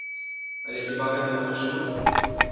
Але хіба гэта магчыма?